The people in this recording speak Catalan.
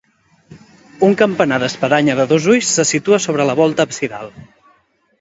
Un campanar d'espadanya de dos ulls se situa sobre la volta absidal.